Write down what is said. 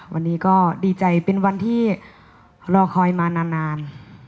วันนี้ก็ดีใจเป็นวันที่รอคอยมานาน